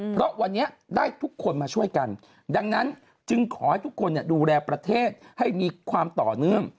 เพราะวันนี้ได้ทุกคนมาช่วยกันดังนั้นจึงขอให้ทุกคนดูแลประเทศให้มีความต่อเนื่อง